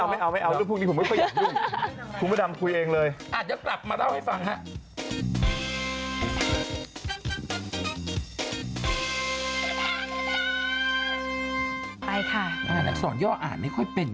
ไม่เอาลูกพูดนี้ผมไม่มายาวดึง